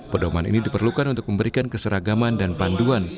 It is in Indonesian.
pedoman ini diperlukan untuk memberikan keseragaman dan panduan